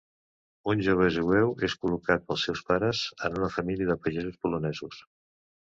Un jove jueu és col·locat pels seus pares en una família de pagesos polonesos.